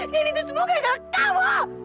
dan itu semua gara gara kamu